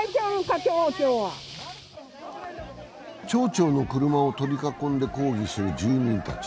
町長の車を取り囲んで抗議する住民たち